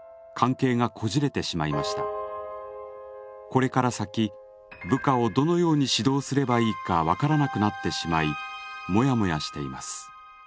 これから先部下をどのように指導すればいいか分からなくなってしまいモヤモヤしています。